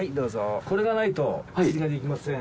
これがないと釣りができません。